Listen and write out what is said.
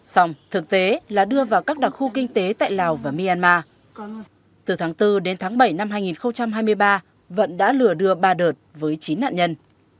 xong thực tế là đưa vào các đặc khu kinh tế tại lào và myanmar từ tháng bốn đến tháng bảy năm hai nghìn hai mươi ba vận đã lừa đưa ba đợt với chín nạn nhân